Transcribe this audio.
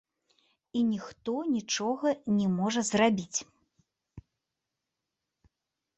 І ніхто нічога не можа зрабіць.